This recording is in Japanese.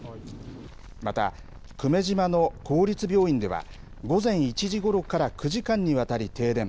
また久米島の公立病院では、午前１時ごろから９時間にわたり停電。